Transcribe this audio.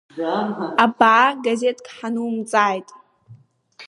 Абаа, газеҭк ҳанумҵааит!